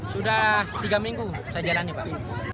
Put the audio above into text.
sudah tiga minggu saya jalani pak